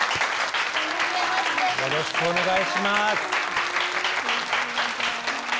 よろしくお願いします。